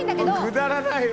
くだらない」